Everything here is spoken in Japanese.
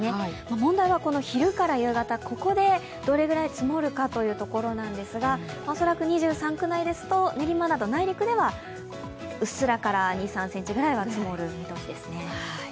問題は昼から夕方、ここでどれぐらい積もるかということなんですが恐らく２３区内ですと練馬など内陸ではうっすらから２３ｃｍくらいは積もる見通しですね。